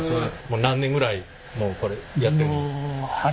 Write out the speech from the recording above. もう何年ぐらいもうこれやってる？